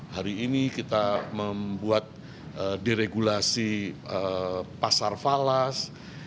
hari ini kita membuat deregulasi pasar falas